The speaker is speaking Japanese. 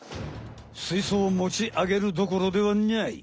水槽を持ち上げるどころではない。